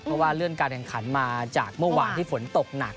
เพราะว่าเลื่อนการแข่งขันมาจากเมื่อวานที่ฝนตกหนัก